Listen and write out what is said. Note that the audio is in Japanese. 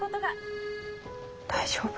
大丈夫？